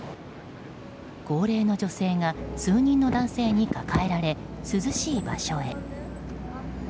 高齢の女性が数人の男性に抱えられ涼しい場所へ。